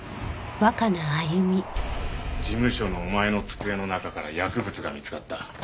事務所のお前の机の中から薬物が見つかった。